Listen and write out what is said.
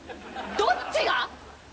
どっちが！？